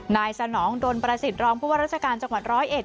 นายสนองร์โดนประสิทธิ์ร้องภูผัวรัชกาลจังหวัดร้อยเอ็ด